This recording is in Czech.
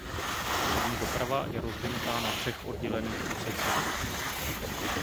Lodní doprava je rozvinutá na třech oddělených úsecích.